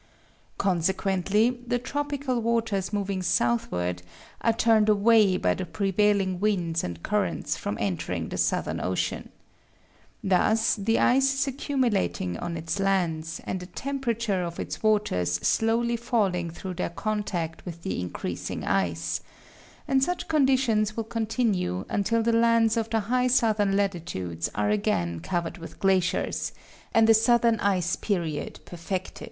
Consequently the tropical waters moving southward are turned away by the prevailing winds and currents from entering the Southern Ocean. Thus the ice is accumulating on its lands, and the temperature of its waters slowly falling through their contact with the increasing ice; and such conditions will continue until the lands of the high southern latitudes are again covered with glaciers, and a southern ice period perfected.